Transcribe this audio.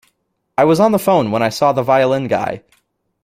I was on the phone when I saw the violin guy.